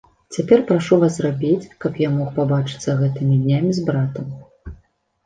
Цяпер прашу вас зрабіць, каб я мог пабачыцца гэтымі днямі з братам.